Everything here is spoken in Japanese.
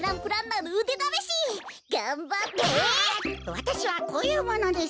わたしはこういうものです。